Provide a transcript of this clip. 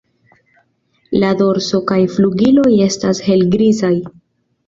La dorso kaj flugiloj estas helgrizaj.